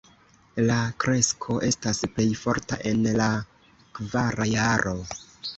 La kresko estas plej forta en la kvara jaro.